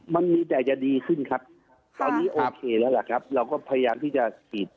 มันมีแต่จะดีขึ้นครับตอนนี้โอเคแล้วล่ะครับเราก็พยายามที่จะฉีด